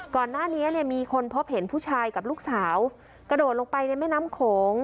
ก่อนหน้านี้เนี่ยมีคนพบเห็นผู้ชายกับลูกสาวกระโดดลงไปในแม่น้ำโขง